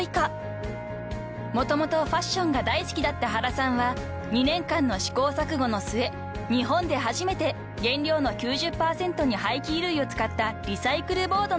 ［もともとファッションが大好きだった原さんは２年間の試行錯誤の末日本で初めて原料の９０％に廃棄衣類を使ったリサイクルボードの開発に成功しました］